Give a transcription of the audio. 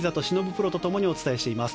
プロと共にお伝えしています。